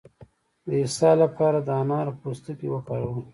د اسهال لپاره د انارو پوستکی وکاروئ